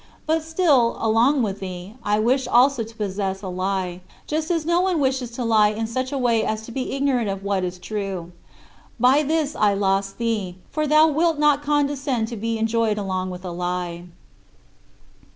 But still, along with thee, I wished also to possess a lie just as no one wishes to lie in such a way as to be ignorant of what is true. By this I lost thee, for thou wilt not condescend to be enjoyed along with a lie.